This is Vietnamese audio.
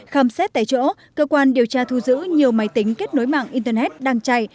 khám xét tại chỗ cơ quan điều tra thu giữ nhiều máy tính kết nối mạng internet đang chạy